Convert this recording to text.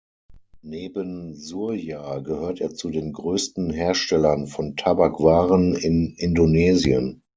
Neben Surya gehört er zu den größten Herstellern von Tabakwaren in Indonesien.